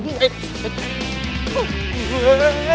bisa pergi ya